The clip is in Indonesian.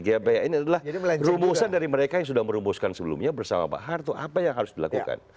gbhn adalah rumusan dari mereka yang sudah merumuskan sebelumnya bersama pak harto apa yang harus dilakukan